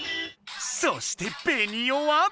そしてベニオは。